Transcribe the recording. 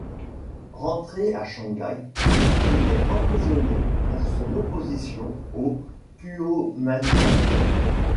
Rentré à Shanghai, il est emprisonné pour son opposition au Kuomintang.